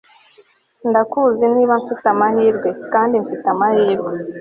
ndakuze niba mfite amahirwe. kandi mfite amahirwe